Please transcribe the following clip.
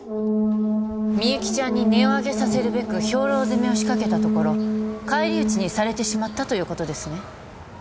みゆきちゃんに音をあげさせるべく兵糧攻めを仕掛けたところ返り討ちにされてしまったということですね？